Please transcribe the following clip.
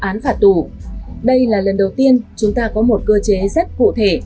án phạt tù đây là lần đầu tiên chúng ta có một cơ chế rất cụ thể